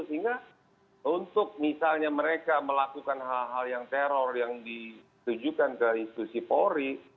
sehingga untuk misalnya mereka melakukan hal hal yang teror yang ditujukan ke institusi polri